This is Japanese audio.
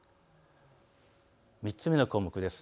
３つ目の項目です。